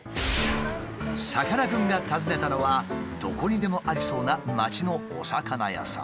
さかなクンが訪ねたのはどこにでもありそうな町のお魚屋さん。